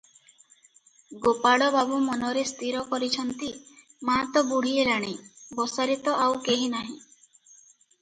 ଗୋପାଳବାବୁ ମନରେ ସ୍ଥିର କରିଛନ୍ତି, ମା ତ ବୁଢ଼ୀ ହେଲାଣି, ବସାରେ ତ ଆଉ କେହି ନାହିଁ ।